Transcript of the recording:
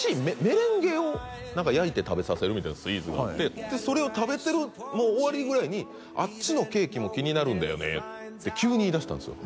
メレンゲを何か焼いて食べさせるみたいなスイーツがあってでそれを食べてるもう終わりぐらいに「あっちのケーキも気になるんだよね」って急に言いだしたんですよ